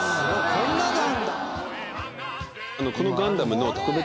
こんなのあるんだ！